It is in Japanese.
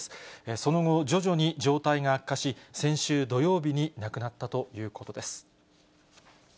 その後、徐々に状態が悪化し、先週土曜日に亡くなったということです。